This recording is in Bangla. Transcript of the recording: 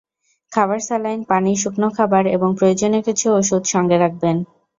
খাবার স্যালাইন, পানি, শুকনো খাবার এবং প্রয়োজনীয় কিছু ওষুধ সঙ্গে রাখবেন।